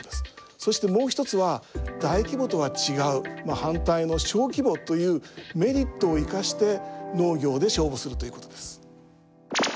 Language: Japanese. そしてもう一つは大規模とは違うまあ反対の小規模というメリットを生かして農業で勝負するということです。